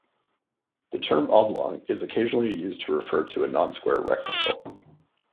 The term oblong is occasionally used to refer to a non-square rectangle.